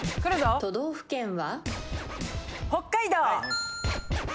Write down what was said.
都道府県は？